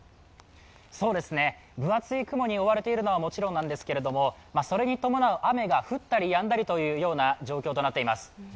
分厚い雲に覆われているのはもちろんなんですけれどもそれに伴う雨が降ったりやんだりというような状況となっています。